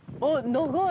長い！